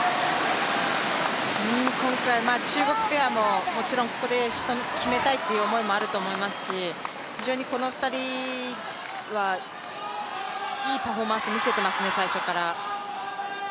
今回、中国ペアも、もちろんここで決めたいという思いもあると思いますし、非常にこの２人はいいパフォーマンスを見せていますね最初から。